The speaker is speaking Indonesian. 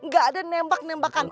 ga ada nembak nembakan